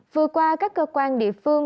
vừa qua các cơ quan địa phương